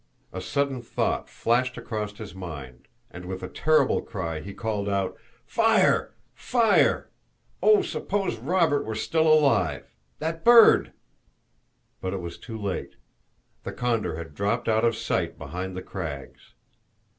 A sudden thought flashed across his mind, and with a terrible cry, he called out, "Fire! fire! Oh, suppose Robert were still alive! That bird." But it was too late. The condor had dropped out of sight behind the crags.